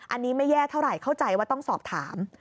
อันนี้ไม่แย่เท่าไหร่เข้าใจว่าต้องสอบถาม